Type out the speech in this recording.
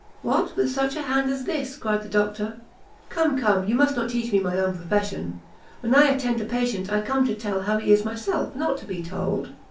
"What, with such a hand as this?" cried the Doctor; "come, come, you must not teach me my own profession. When I attend a patient, I come to tell how he is myself, not to be told."